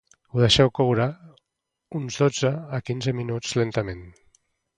Ho deixeu coure uns dotze a quinze minuts, lentament